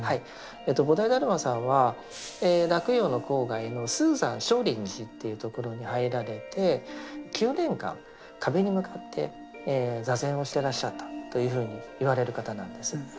菩提達磨さんは洛陽の郊外の嵩山少林寺というところに入られて９年間壁に向かって坐禅をしてらっしゃったというふうにいわれる方なんです。